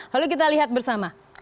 lalu kita lihat bersama